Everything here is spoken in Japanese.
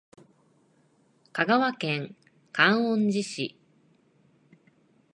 香川県観音寺市